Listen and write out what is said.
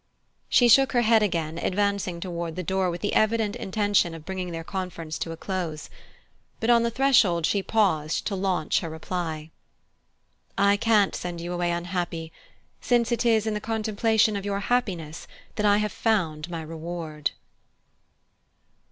She shook her head again, advancing toward the door with the evident intention of bringing their conference to a close; but on the threshold she paused to launch her reply. "I can't send you away unhappy, since it is in the contemplation of your happiness that I have found my reward."